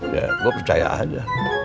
ya gue percaya aja